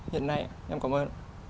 hiện nay em cảm ơn